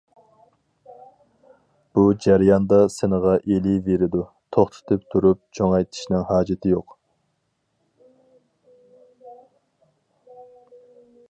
بۇ جەرياندا سىنغا ئېلىۋېرىدۇ، توختىتىپ تۇرۇپ چوڭايتىشنىڭ ھاجىتى يوق.